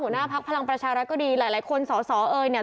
พักพลังประชารัฐก็ดีหลายคนสอสอเอยเนี่ย